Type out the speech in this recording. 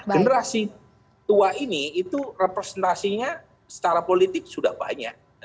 generasi tua ini itu representasinya secara politik sudah banyak